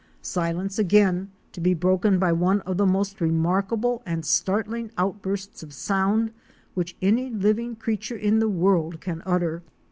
Silence again, to be broken by one of the most remarkable and startling outbursts of sound which any living creature in the world can utter.